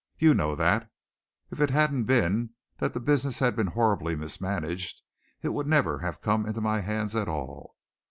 You know that. If it hadn't been that the business had been horribly mismanaged it would never have come into my hands at all.